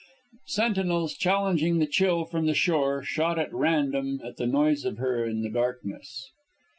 Sentinels challenged the Chill from the shore and shot at random at the noise of her in the darkness.